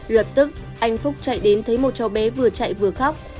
lập tức anh phúc chạy đến thấy một cháu bé vừa chạy vừa khóc